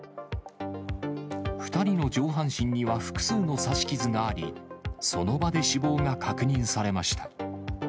２人の上半身には複数の刺し傷があり、その場で死亡が確認されました。